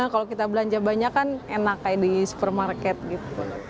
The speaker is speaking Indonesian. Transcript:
kalau kita belanja banyak kan enak kayak di supermarket gitu